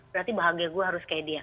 berarti bahagia gue harus kayak dia